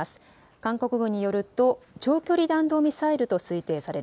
韓国軍によると長距離弾道ミサイルと推定される